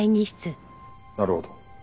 なるほど。